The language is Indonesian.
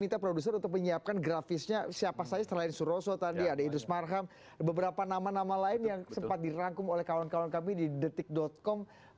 kita produser untuk menyiapkan grafisnya siapa saja selain suroso tadi ada idrus marham beberapa nama nama lain yang sempat dirangkum oleh kawan kawan kami di detik com